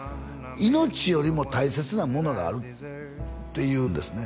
命よりも大切なものがあるっていうですね